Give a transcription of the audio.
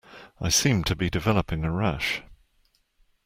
I seem to be developing a rash.